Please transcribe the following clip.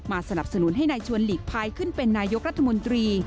สนับสนุนให้นายชวนหลีกภัยขึ้นเป็นนายกรัฐมนตรี